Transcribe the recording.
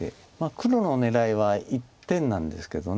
黒の狙いは一点なんですけど。